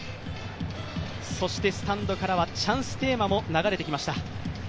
そしてスタンドからはチャンステーマも流れてきました。